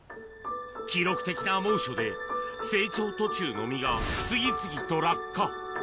記録的な猛暑で、成長途中の実が次々と落下。